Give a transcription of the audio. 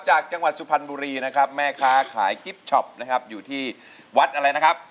จากจังหวัดสุพรรณบุรีนะครับแม่ค้าขายกิฟต์ช็อปนะครับอยู่ที่วัดอะไรนะครับ